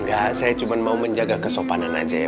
enggak saya cuma mau menjaga kesopanan aja ya